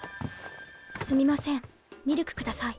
すみませんミルク下さい。